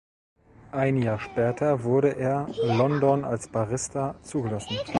Ein Jahr später wurde er London als Barrister zugelassen.